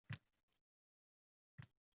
Kutlug’ bo’lar albat